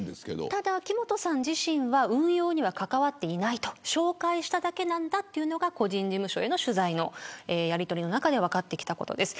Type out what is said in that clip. ただ、木本さん自身は運用に関わっていない紹介しただけなんだというのが個人事務所への取材のやりとりの中で分かってきたことです。